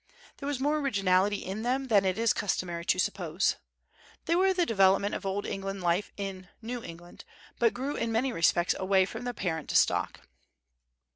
There was more originality in them than it is customary to suppose. They were the development of Old England life in New England, but grew in many respects away from the parent stock.